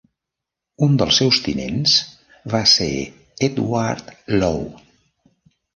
Un dels seus tinents va ser Edward Low.